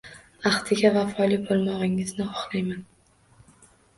Axdiga vafoli bo'lmog'ingizni xohlayman.